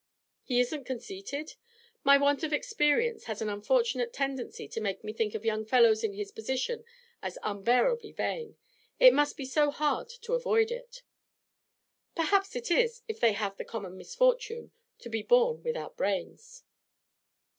'He isn't conceited? My want of experience has an unfortunate tendency to make me think of young fellows in his position as unbearably vain. It must be so hard to avoid it.' 'Perhaps it is, if they have the common misfortune to be born without brains.'